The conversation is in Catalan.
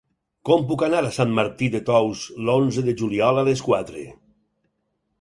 Com puc anar a Sant Martí de Tous l'onze de juliol a les quatre?